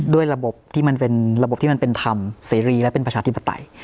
ด้วยระบบที่มันเป็นระบบที่มันเป็นธรรมเสรีและเป็นประชาธิปไตย